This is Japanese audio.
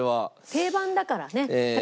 定番だからね。